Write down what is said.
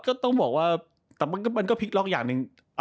ก็ต้องบอกว่าแต่มันก็พลิกล็อกอย่างหนึ่ง